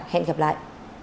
hẹn gặp lại